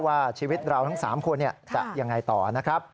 ว่าชีวิตเราทั้ง๓คนจะยังไงต่อนะครับ